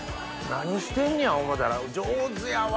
何してんのや思ったら上手やわ。